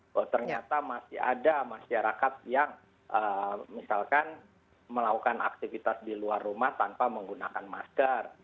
bahwa ternyata masih ada masyarakat yang misalkan melakukan aktivitas di luar rumah tanpa menggunakan masker